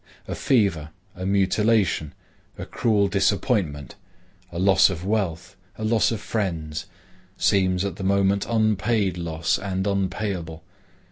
A fever, a mutilation, a cruel disappointment, a loss of wealth, a loss of friends, seems at the moment unpaid loss, and unpayable.